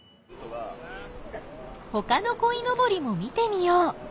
ほかのこいのぼりも見てみよう！